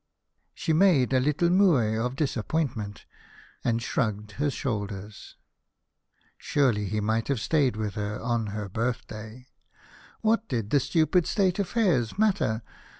She made a little moue of disappointment, and shrugged her shoulders. Surely he might have stayed with her on her birthday. What did the stupid State affairs matter